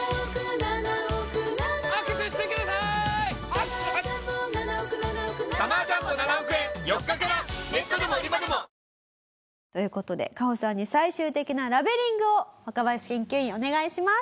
確かにね。という事でカホさんに最終的なラベリングを若林研究員お願いします。